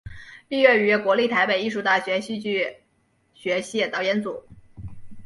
毕业于国立台北艺术大学戏剧学系导演组。